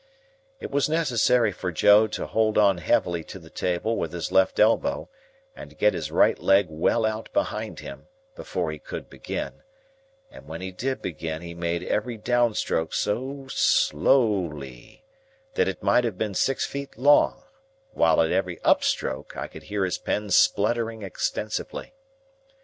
It was necessary for Joe to hold on heavily to the table with his left elbow, and to get his right leg well out behind him, before he could begin; and when he did begin he made every downstroke so slowly that it might have been six feet long, while at every upstroke I could hear his pen spluttering extensively.